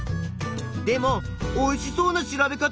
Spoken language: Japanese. でもおいしそうな調べ方。